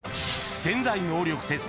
［『潜在能力テスト』